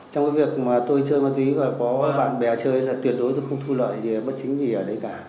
trong cái việc mà tôi chơi ma túy và có bạn bè chơi là tuyệt đối tôi không thu lợi bất chính gì ở đấy cả